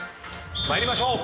参りましょう。